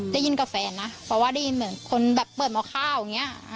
ได้ยินกับแฟนนะเพราะว่าได้ยินเหมือนคนแบบเปิดหม้อข้าวอย่างนี้